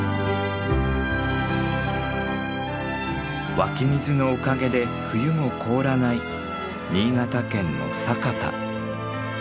湧き水のおかげで冬も凍らない新潟県の佐潟。